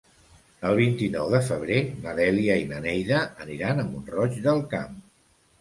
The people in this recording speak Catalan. El vint-i-nou de febrer na Dèlia i na Neida aniran a Mont-roig del Camp.